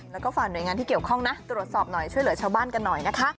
แล้วก็ฝากหน่วยงานที่เกี่ยวข้องนะตรวจสอบหน่อยช่วยเหลือชาวบ้านกันหน่อยนะคะ